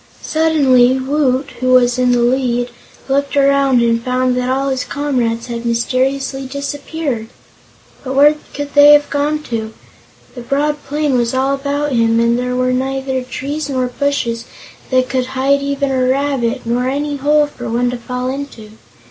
Suddenly Woot, who was in the lead, looked around and found that all his comrades had mysteriously disappeared. But where could they have gone to? The broad plain was all about him and there were neither trees nor bushes that could hide even a rabbit, nor any hole for one to fall into.